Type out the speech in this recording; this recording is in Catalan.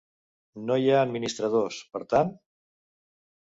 No hi ha administradors, per tant?